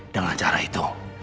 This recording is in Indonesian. dengan cara itu